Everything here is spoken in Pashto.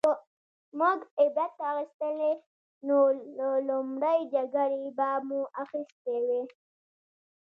که موږ عبرت اخیستلی نو له لومړۍ جګړې به مو اخیستی وای